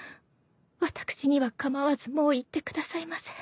私には構わずもう行ってくださいませ。